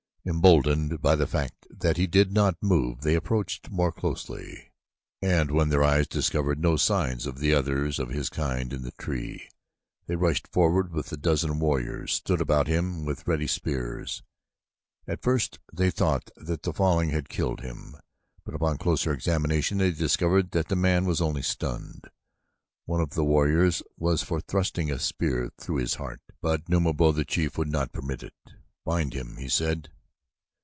Emboldened by the fact that he did not move they approached more closely, and when their eyes discovered no signs of others of his kind in the tree, they rushed forward until a dozen warriors stood about him with ready spears. At first they thought that the falling had killed him, but upon closer examination they discovered that the man was only stunned. One of the warriors was for thrusting a spear through his heart, but Numabo, the chief, would not permit it. "Bind him," he said.